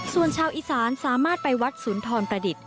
ส่วนชาวอีสานสามารถไปวัดสุนทรประดิษฐ